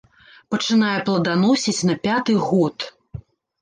Пачынае пладаносіць на пяты год.